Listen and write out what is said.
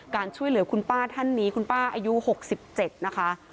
ช่วยเหลือคุณป้าท่านนี้คุณป้าอายุ๖๗นะคะ